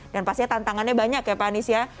dan pastinya tantangannya banyak ya pak anies ya